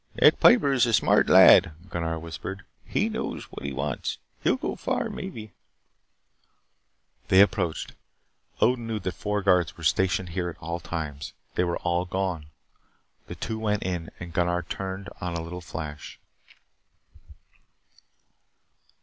"That Piper is a smart lad," Gunnar whispered. "He knows what he wants. He'll go far maybe." They approached. Odin knew that four guards were stationed here at all times. They were all gone. The two went in, Gunnar turned on a little flash.